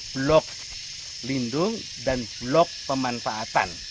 blok lindung dan blok pemanfaatan